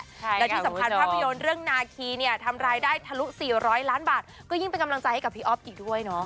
และที่สำคัญภาพยนตร์เรื่องนาคีเนี่ยทำรายได้ทะลุ๔๐๐ล้านบาทก็ยิ่งเป็นกำลังใจให้กับพี่อ๊อฟอีกด้วยเนาะ